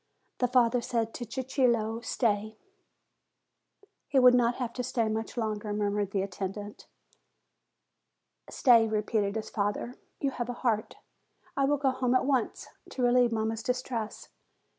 The father said to Cicillo, "Stay." "He will not have to stay much longer," murmured the attendant. "Stay," repeated his father: "you have a heart. I will go home at once, to relieve mamma's distress.